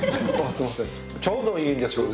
ちょうどいいんです。